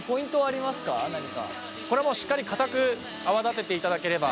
これもしっかりかたく泡立てていただければ。